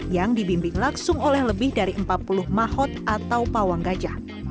yang dibimbing langsung oleh lebih dari empat puluh mahot atau pawang gajah